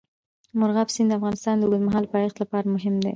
مورغاب سیند د افغانستان د اوږدمهاله پایښت لپاره مهم دی.